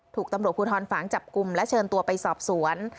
ถูกตำรวจภูทรฝางจับกลุ่มและเชิญตัวไปสอบสวน